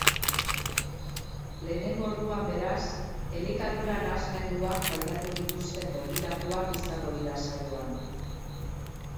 Lehengo orduan, beraz, elikadura nahasmenduak pairatu dituzten gonbidatuak izango dira saioan.